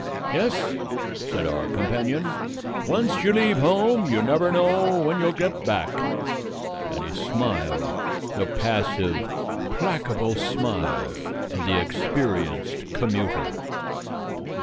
"Yes," said our companion, "once you leave home you never know when you'll get back." And he smiled the passive, placable smile of the experienced commuter.